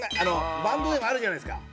バンドでもあるじゃないですか。